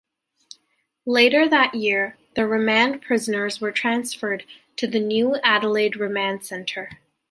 Later that year the remand prisoners were transferred to the new Adelaide Remand Centre.